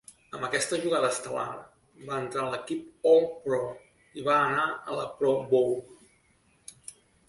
Amb aquesta jugada estel·lar, va entrar a l'equip All-Pro i va anar a la Pro Bowl.